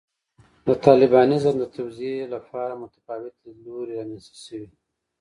د طالبانیزم د توضیح لپاره متفاوت لیدلوري رامنځته شوي.